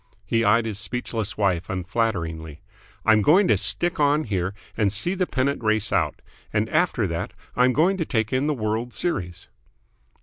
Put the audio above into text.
He eyed his speechless wife unflatteringly. "I'm going to stick on here and see the pennant race out. And after that I'm going to take in the World's Series."